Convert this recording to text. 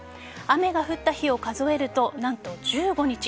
雨が降った日を数えると何と１５日。